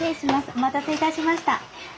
お待たせいたしました。